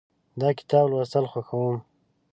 د کتاب لوستل خوښوم.